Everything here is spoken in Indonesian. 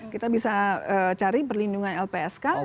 kita bisa cari perlindungan lpsk